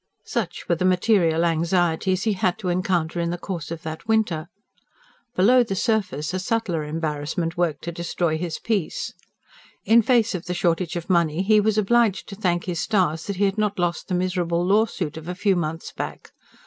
Such were the material anxieties he had to encounter in the course of that winter. Below the surface a subtler embarrassment worked to destroy his peace. In face of the shortage of money, he was obliged to thank his stars that he had not lost the miserable lawsuit of a few months back.